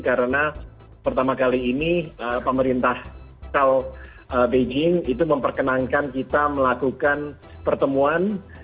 karena pertama kali ini pemerintah beijing itu memperkenankan kita melakukan pertemuan